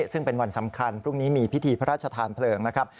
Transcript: ซึ่งเป็นวันสำคัญพรุ่งนี้มีพิธีพระราชทานเพลิงนะครับ